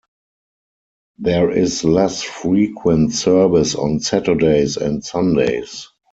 There is less frequent service on Saturdays and Sundays.